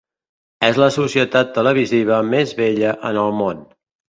És la societat televisiva més vella en el món.